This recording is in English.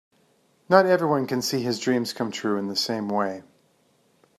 Not everyone can see his dreams come true in the same way.